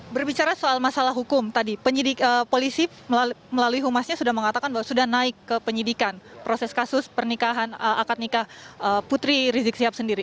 berbicara soal masalah hukum tadi polisi melalui humasnya sudah mengatakan bahwa sudah naik ke penyidikan proses kasus pernikahan akad nikah putri rizik sihab sendiri